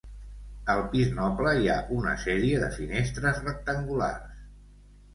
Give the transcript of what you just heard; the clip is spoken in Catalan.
Al pis noble hi ha una sèrie de finestres rectangulars.